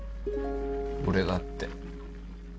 俺だって。